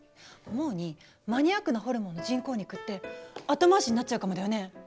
思うにマニアックなホルモンの人工肉って後回しになっちゃうかもだよね？